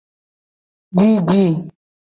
Didi.